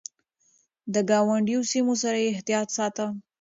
د ګاونډيو سيمو سره يې احتياط ساته.